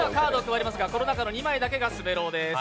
この中の２枚だけが滑狼です。